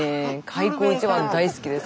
開口一番「大好きです」。